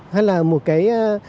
hay là một cái